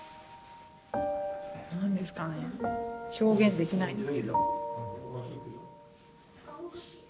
何ですかね表現できないんですけど。